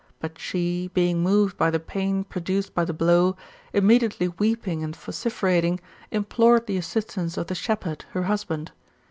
But she, being moved by the pain produced by the blow, immediately weeping and vociferating, implored the assistance of the shepherd, her husband.